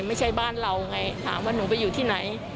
ไม่ใช่บ้านเราไงถามว่าหนูไปอยู่ที่ไหน